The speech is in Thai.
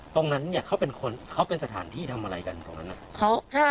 ตรงนั้นเนี่ยเขาเป็นคนเขาเป็นสถานที่ทำอะไรกันตรงนั้นน่ะ